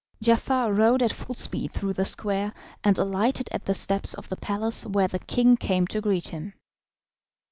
Giafar rode at full speed through the square, and alighted at the steps of the palace, where the king came to greet him.